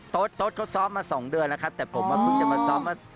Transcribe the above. โต๊ะเขาซ้อมมา๒เดือนแล้วครับแต่ผมว่าเพิ่งจะมาซ้อมมา